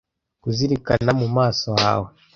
kuzirikana mu maso hawe